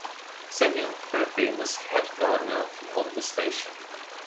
Samuel Furphy was head gardener on the station.